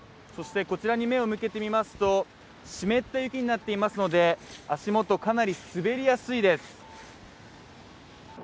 そしてこちらに目を向けてみますと、湿った雪になっていますので、足元かなり滑りやすいです。